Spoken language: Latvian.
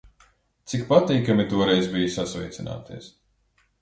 Cik patīkami toreiz bija sasveicināties!